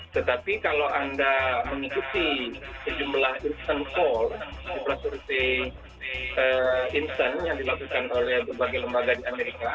tetapi kalau anda mengikuti sejumlah instant call sejumlah survei instant yang dilakukan oleh berbagai lembaga di amerika